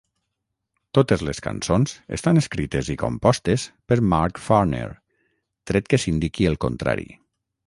Totes les cançons estan escrites i compostes per Mark Farner, tret que s'indiqui el contrari.